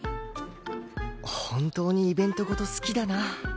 本当にイベント事好きだな